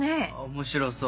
面白そう。